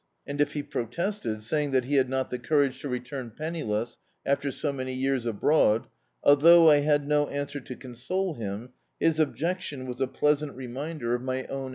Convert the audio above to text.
And if be protested, saying that he had not the courage to return penniless after so many years abroad, although I had no answer to console him, his objcctirai was a pleasant reminder of my own [>57] D,i.